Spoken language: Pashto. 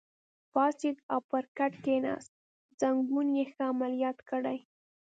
پاڅېد او پر کټ کېناست، زنګون یې ښه عملیات کړی.